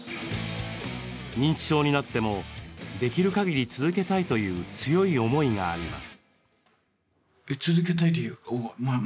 認知症になってもできるかぎり続けたいという強い思いがあります。